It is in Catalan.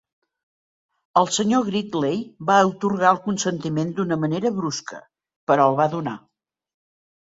El Sr. Gridley va atorgar el consentiment d'una manera brusca, però el va donar.